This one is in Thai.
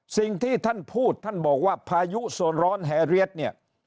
สิ่งที่ท่านพูดท่านบอกว่าพายุส่วนร้อนแฮเรียสเนี่ย